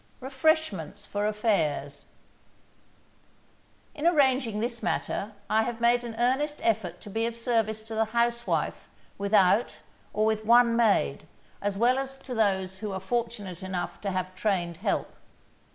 REFRESHMENTS FOR AFFAIRS In arranging this matter, I have made an earnest effort to be of service to the housewife without or with one maid, as well as to those who are fortunate enough to have trained help.